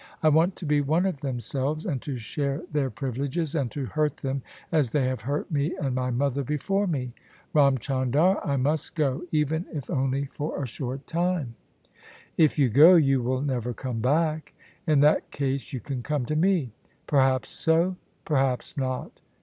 I want to be one of themselves, and to share their privileges, and to hurt them as they have hurt me and my mother before me. Ram Chandar, I must go, even if only for a short time." " If you go, you will never come back." " In that case you can come to me." " Perhaps so : perhaps not.